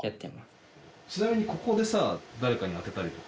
ちなみにここでさ誰かに当てたりとか。